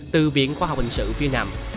từ viện khoa học bình sự phía nam